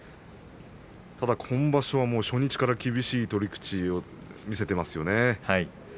今場所は初日から厳しい取り口を見せていますよね。